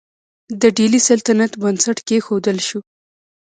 د ډیلي سلطنت بنسټ کیښودل شو.